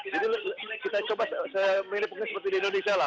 jadi kita coba menikmati seperti di indonesia lah